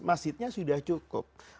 masjidnya sudah cukup